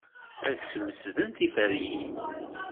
Ad smesden tiferyin.